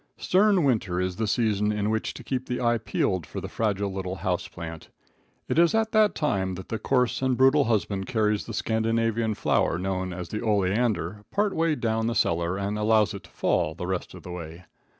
Stern winter is the season in which to keep the eye peeled for the fragile little house plant. It is at that time that the coarse and brutal husband carries the Scandinavian flower known as the Ole Ander, part way down the cellar, and allows it to fall the rest of the way.